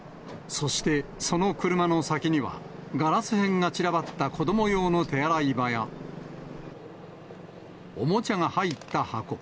そして、その車の先には、ガラス片が散らばった子ども用の手洗い場や、おもちゃが入った箱。